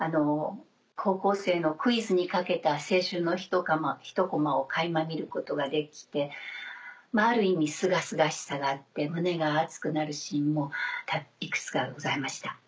高校生のクイズにかけた青春のひとこまを垣間見ることができてある意味すがすがしさがあって胸が熱くなるシーンもいくつかございました。